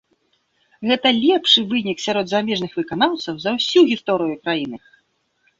Гэта лепшы вынік сярод замежных выканаўцаў за ўсю гісторыю краіны.